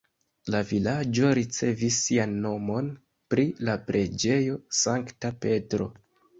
La vilaĝo ricevis sian nomon pri la preĝejo Sankta Petro.